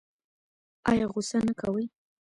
ایا غوسه نه کوي؟